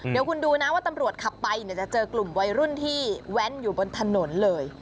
เดี๋ยวคุณดูนะว่าตำรวจขับไปเนี่ยจะเจอกลุ่มวัยรุ่นที่แว้นอยู่บนถนนเลย